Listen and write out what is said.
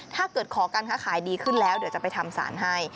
ถ้าเกิดขอการค้าขายดีขึ้นแล้วเดี๋ยวจะไปทำสารให้